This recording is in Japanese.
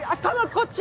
こっち